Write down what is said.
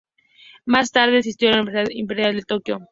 Más tarde asistió a la Universidad Imperial de Tokio.